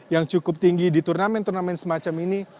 yang cukup tinggi di turnamen turnamen semacam ini